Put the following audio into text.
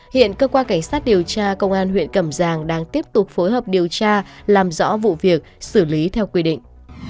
hiện cơ quan cảnh sát điều tra công an huyện cẩm giang đang tiếp tục phối hợp điều tra làm rõ vụ việc xử lý theo quy định